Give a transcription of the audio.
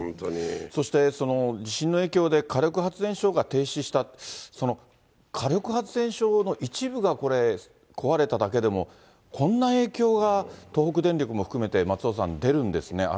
そして、地震の影響で火力発電所が停止した、その火力発電所の一部が壊れただけでも、こんな影響が、東北電力も含めて、松尾さん、出るんですね。